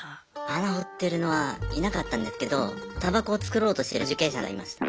穴掘ってるのはいなかったんですけどたばこを作ろうとしてる受刑者がいました。